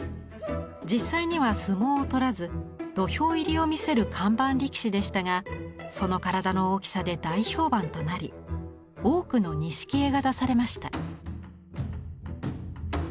実際には相撲を取らず土俵入りを見せる「看板力士」でしたがその体の大きさで大評判となり多くの錦絵が出されました。